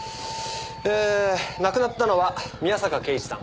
えー亡くなったのは宮坂敬一さん。